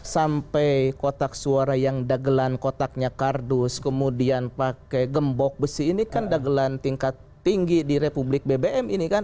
sampai kotak suara yang dagelan kotaknya kardus kemudian pakai gembok besi ini kan dagelan tingkat tinggi di republik bbm ini kan